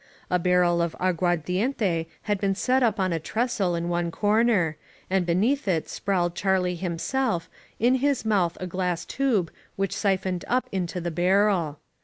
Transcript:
A barrel of aguardiente had been set up on a trestle in one cor ner, and beneath it sprawled Charlie himself, in his mouth a glass tube which syphoned up into the barrel.